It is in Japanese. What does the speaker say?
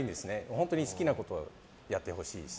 本当に好きなことをやってほしいし。